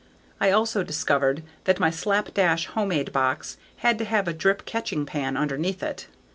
I also discovered that my slapdash homemade box had to have a drip catching pan beneath it.